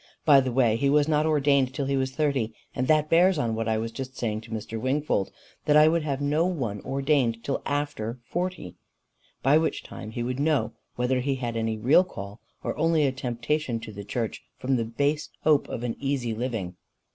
By the way, he was not ordained till he was thirty and that bears on what I was just saying to Mr. Wingfold, that I would have no one ordained till after forty, by which time he would know whether he had any real call or only a temptation to the church, from the base hope of an easy living."